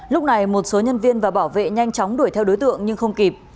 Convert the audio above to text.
lúc này một số nhân viên và bảo vệ nhanh chóng đuổi theo đối tượng nhưng không kịp